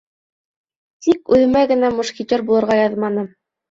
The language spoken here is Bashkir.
Тик үҙемә генә мушкетер булырға яҙманы.